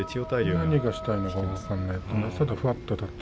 何をしたいのか分からない。